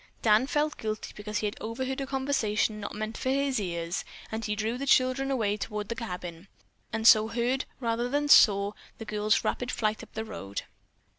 Dan felt guilty because he had overheard a conversation not meant for his ears, and he drew the children away toward the cabin, and so heard, rather than saw, the girl's rapid flight up the road.